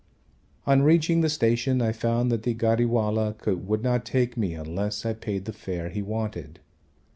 On reaching the station I found that the ghari wala would not take me unless I paid the fare he wanted.